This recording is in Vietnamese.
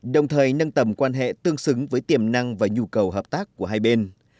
đồng thời nâng tầm quan hệ tương xứng với tiềm năng và nhu cầu hợp tác của hai bên